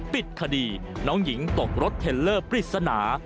ปิดคดีน้องหญิงตกรถเทลเลอร์ปริศนา